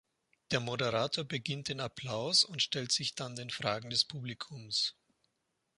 Der Moderator beginnt den Applaus und stellt sich dann den Fragen des Publikums.